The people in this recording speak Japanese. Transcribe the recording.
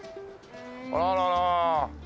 あららら。